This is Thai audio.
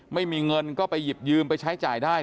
ไม่มีเงินก็ไปหยิบยืมไปใช้จ่ายได้